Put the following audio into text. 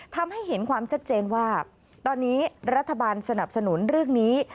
ทำให้เห็นความชัดเจนว่าตอนนี้รัฐบาลสนับสนุนเรื่องนี้